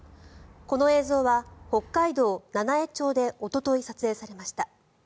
この映像は北海道七飯町でおととい撮影されました。